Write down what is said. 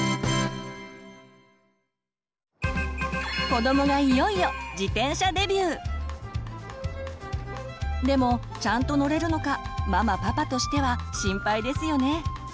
子どもがいよいよでもちゃんと乗れるのかママパパとしては心配ですよね。